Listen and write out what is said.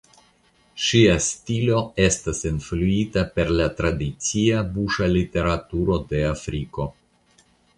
Ŝia stilo estas influita per la tradicia buŝa literaturo de Afriko.